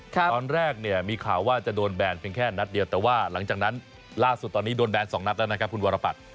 ตอนแรกเนี่ยมีข่าวว่าจะโดนแบนเพียงแค่นัดเดียวแต่ว่าหลังจากนั้นล่าสุดตอนนี้โดนแบน๒นัดแล้วนะครับคุณวรปัตร